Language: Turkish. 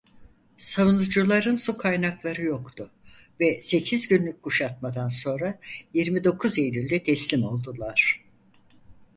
Savunucuların su kaynakları yoktu ve sekiz günlük kuşatmadan sonra yirmi dokuz Eylül'de teslim oldular.